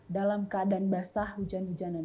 dalam keadaan basah hujan hujanan